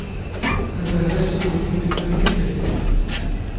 ⴰⵔ ⴱⴰⵀⵔⴰ ⵉⵙⵙⵓⴳⵓⵜ ⵙⴰⵎⵉ ⴽⵔⴰ ⵏ ⵜⵉⴽⴽⴰⵍ.